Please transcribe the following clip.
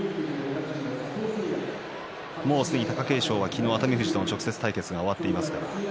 もう貴景勝、熱海富士との直接対決が終わっています。